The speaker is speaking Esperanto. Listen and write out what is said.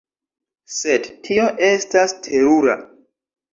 Sed tio estas terura!